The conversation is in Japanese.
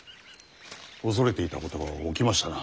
恐れていたことが起きましたな。